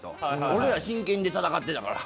俺ら真剣で戦ってたから。